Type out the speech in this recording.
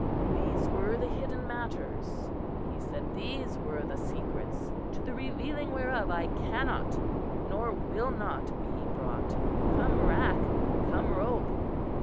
"These were the hidden matters," he said, "these were the secrets, to the revealing whereof I cannot nor will not be brought, come rack, come rope!"